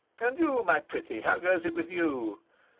And you, my pretty, how goes it with you?"